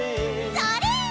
それ！